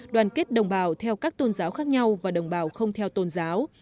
đoàn kết đồng bào theo các tôn giáo khác nhau và đồng bào không theo tôn giáo